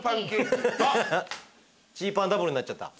チーパンダブルになっちゃった。